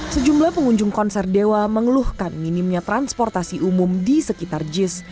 sejumlah pengunjung konser dewa mengeluhkan minimnya transportasi umum di sekitar jis